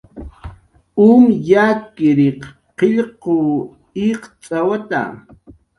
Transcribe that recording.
Um yakriq qillqw iqcx'awata.